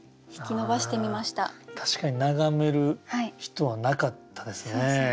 確かに眺める人はなかったですね。